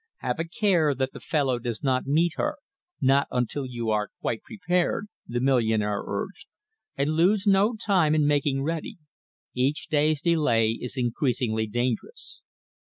"Have a care that the fellow does not meet her not until you are quite prepared," the millionaire urged. "And lose no time in making ready. Each day's delay is increasingly dangerous."